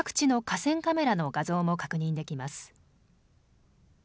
マップからは各地の河川カメラの画像も確認できます。